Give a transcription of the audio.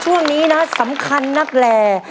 ช่วงนี้นะสำคัญนักแหล่